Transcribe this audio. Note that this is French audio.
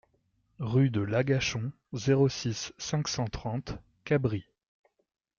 Rue de l'Agachon, zéro six, cinq cent trente Cabris